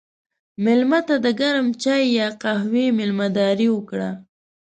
مېلمه ته د ګرم چای یا قهوې میلمهداري وکړه.